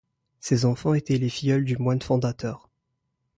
Ses enfants étaient les filleuls du moine fondateur.